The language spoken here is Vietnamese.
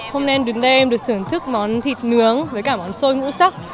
hôm nay em đứng đây em được thưởng thức món thịt nướng với cả món xôi ngũ sắc